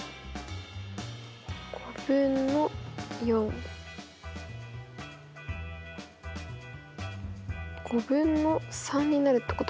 ５分の４。５分の３になるってことか。